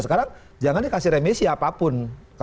sekarang jangan dikasih remisi apapun